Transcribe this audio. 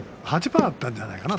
８番あったんじゃないかな？